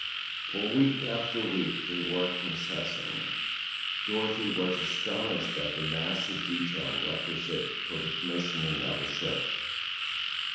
For week after week they worked incessantly. Dorothy was astonished at the mass of detail requisite for the commissioning of a ship.